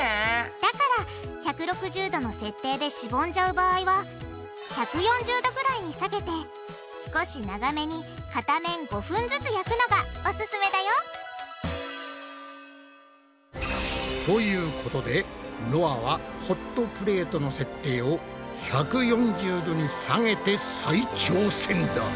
だから１６０℃の設定でしぼんじゃう場合は１４０℃ぐらいに下げて少し長めに片面５分ずつ焼くのがオススメだよ！ということでのあはホットプレートの設定を１４０℃に下げて再挑戦だ！